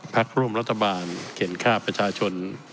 พักร่วมรัฐบาลเข็นค่าประชาชน